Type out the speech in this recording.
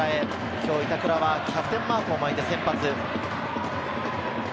今日板倉はキャプテンマークを巻いて先発。